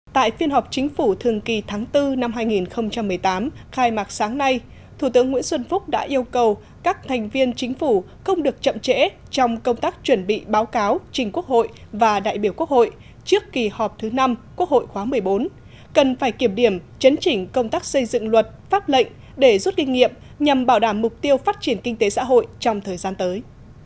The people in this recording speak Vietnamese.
tại phiên họp chính phủ thường kỳ tháng bốn năm hai nghìn một mươi tám khai mạc sáng nay thủ tướng nguyễn xuân phúc đã yêu cầu các thành viên chính phủ không được chậm trễ trong công tác chuẩn bị báo cáo trình quốc hội và đại biểu quốc hội trước kỳ họp thứ năm quốc hội khóa một mươi bốn cần phải kiểm điểm chấn chỉnh công tác xây dựng luật phát lệnh để rút kinh nghiệm nhằm bảo đảm mục tiêu phát triển kinh tế xã hội trong thời gian tới